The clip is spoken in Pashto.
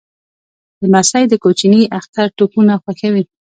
لمسی د کوچني اختر توپونه خوښوي.